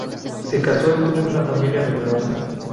Se casó y tuvo una familia numerosa.